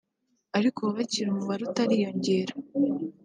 ariko ababakira umubare utariyongereye